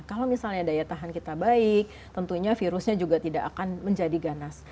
kalau misalnya daya tahan kita baik tentunya virusnya juga tidak akan menjadi ganas